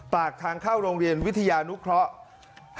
ปากทางเข้าโรงเรียนวิทยานุเคราะห์